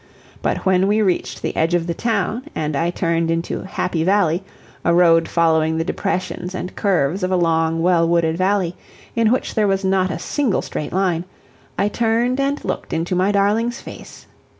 But when we reached the edge of the town, and I turned into "Happy Valley," a road following the depressions and curves of a long, well wooded valley, in which there was not a single straight line, I turned and looked into my darling's face.